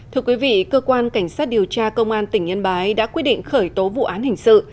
thưa quý vị cơ quan cảnh sát điều tra công an tỉnh yên bái đã quyết định khởi tố vụ án hình sự